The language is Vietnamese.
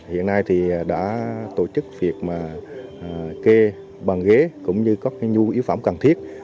hiện nay đã tổ chức việc kê bàn ghế cũng như có nhu yếu phẩm cần thiết